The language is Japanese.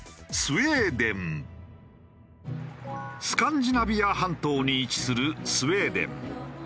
スカンジナビア半島に位置するスウェーデン。